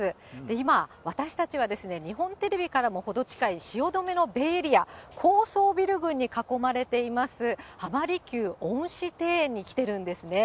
今、私たちは日本テレビからも程近い汐留のベイエリア、高層ビル群に囲まれています、浜離宮恩賜庭園に来てるんですね。